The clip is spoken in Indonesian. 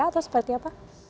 atau seperti apa